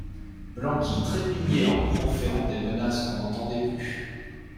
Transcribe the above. Blanqui trépignait en proférant des menaces qu'on n'entendait plus.